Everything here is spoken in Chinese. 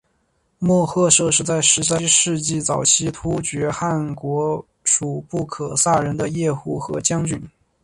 莫贺设是在七世纪早期西突厥汗国属部可萨人的叶护和将军。